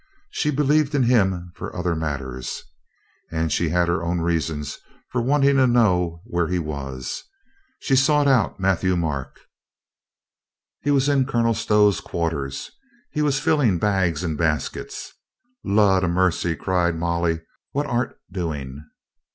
She believed in him for other matters. And she had her own reasons for wanting to know where he was. She sought out Matthieu Marc. He was in Colonel Stow's quarters. He was filling bags and baskets. "Lud a mercy!" cried Molly. "What art doing?"